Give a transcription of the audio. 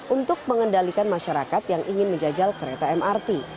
untuk mengendalikan masyarakat yang ingin menjajal kereta mrt